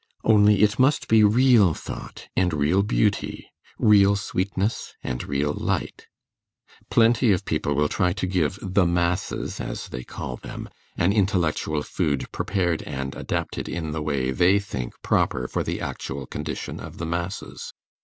Only it must be real thought and real beauty; real sweetness and real light. Plenty of people will try to give the masses, as they call them, an intellectual food prepared and adapted in the way they think proper for the actual condition of the masses.